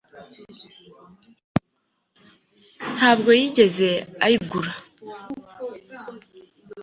Ntabwo yigeze ayigura